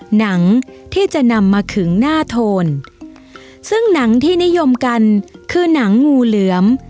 หนังที่จะนำมาขึงหน้าโทนซึ่งหนังที่นิยมกันคือหนังงูเหลือม